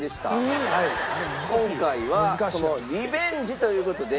今回はそのリベンジという事で。